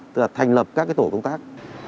tức là thành lập các tổ công tác